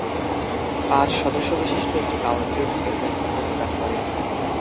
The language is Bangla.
পাঁচ সদস্যবিশিষ্ট একটি কাউন্সিল এর নেতৃত্ব প্রদান করে।